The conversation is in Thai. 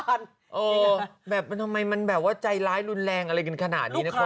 แบบมันทำไมมันแบบว่าใจร้ายรุนแรงอะไรกันขนาดนี้นะคุณ